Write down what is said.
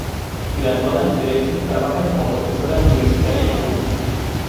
Graduada en Derecho, trabaja como profesora universitaria en Cuba.